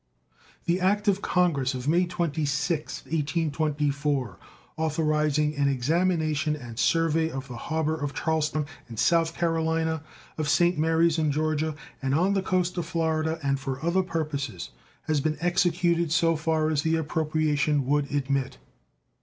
The act of Congress of May 26th, 1824, authorizing an examination and survey of the harbor of Charleston, in South Carolina, of St. Marys, in Georgia, and of the coast of Florida, and for other purposes, has been executed so far as the appropriation would admit.